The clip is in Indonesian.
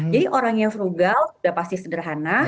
jadi orang yang frugal sudah pasti sederhana